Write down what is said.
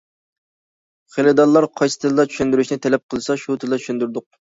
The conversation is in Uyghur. خېرىدارلار قايسى تىلدا چۈشەندۈرۈشنى تەلەپ قىلسا شۇ تىلدا چۈشەندۈردۇق.